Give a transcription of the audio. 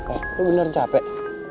eh lu beneran capek